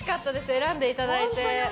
選んでいただいて。